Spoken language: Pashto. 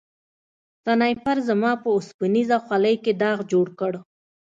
سنایپر زما په اوسپنیزه خولۍ کې داغ جوړ کړ